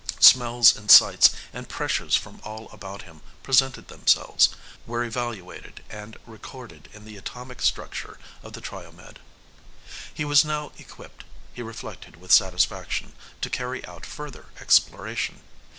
Smells and sights and pressures from all about him presented themselves were evaluated and recorded in the atomic structure of the Triomed. He was now equipped, he reflected with satisfaction, to carry out further exploration.